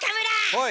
はい。